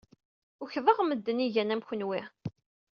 Ukḍeɣ medden ay igan am kenwi.